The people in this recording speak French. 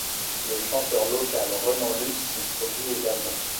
Le chanteur local Renan Luce s'y produit également.